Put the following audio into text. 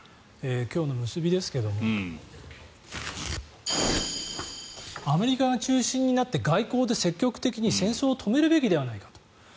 今日の結びですけどもアメリカが中心になって外交で積極的に戦争を止めるべきではないかと。